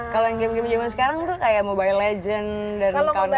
kalau yang game game zaman sekarang tuh kayak mobile legends dan kawan kawan